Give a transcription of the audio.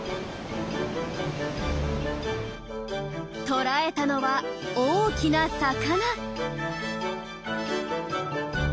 捕らえたのは大きな魚。